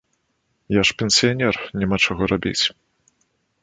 Я ж пенсіянер, няма чаго рабіць.